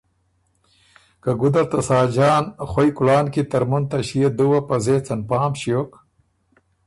که ګُده ر ته ساجان خوَئ کُلان کی ترمُن ته ݭيې دُوه په زېڅن پام ݭیوک